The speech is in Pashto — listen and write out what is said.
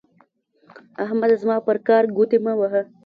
احمده زما پر کار ګوتې مه وهه.